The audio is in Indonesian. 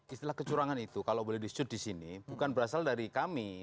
istilah kecurangan itu kalau boleh disuduh disini bukan berasal dari kami